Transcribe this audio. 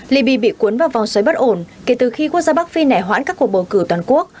liby bị cuốn vào vòng xoáy bất ổn kể từ khi quốc gia bắc phi nẻ hoãn các cuộc bầu cử toàn quốc